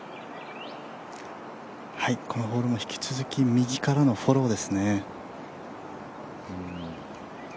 このホールも引き続き右からのフォローですね。